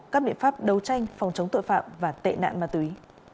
các biện pháp đấu tranh phòng chống tội phạm và tệ nạn ma túy